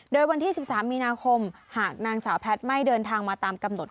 โดยวันที่๑๓มีนาคมหากนางสาวแพทย์ไม่เดินทางมาตามกำหนด